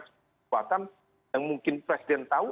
kekuatan yang mungkin presiden tahu